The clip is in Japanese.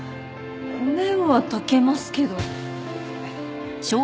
米は炊けますけど。